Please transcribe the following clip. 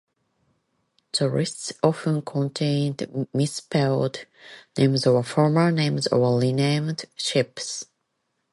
The lists often contained misspelled names or former names of renamed ships.